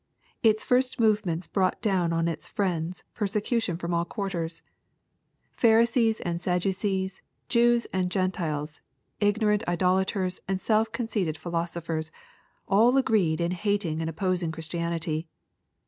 — Its first movements brought down on its friends persecution from all quarters. Pharisees and Sadducees, Jews and Gentiles, ignorant idolaters and self conceited philoso phers, all agreed in hating and opposing Christianity.